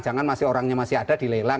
jangan orangnya masih ada dilelang